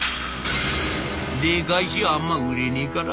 「でかいしあんま売れねえから。